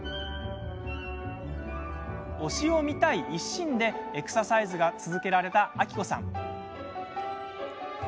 推しを見たい一心でエクササイズが続けられたあきこさん。